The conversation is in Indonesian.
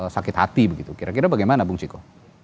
sakit hati begitu kira kira bagaimana bung ciko